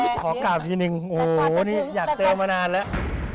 ขอกล่าวทีนึงโอ้โหนี่อยากเจอมานานแล้ว